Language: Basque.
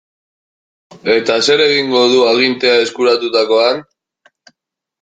Eta zer egingo du agintea eskuratutakoan?